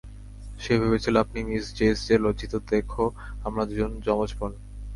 সে ভেবেছিল আপনি miss Jess সে লজ্জিত দেখো আমরা দুজন যমজ বোন।